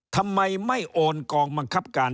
ทำไมไม่โอนกองบังคับการ